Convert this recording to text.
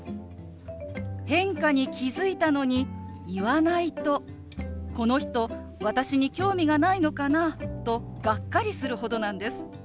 変化に気付いたのに言わないとこの人私に興味がないのかなとがっかりするほどなんです。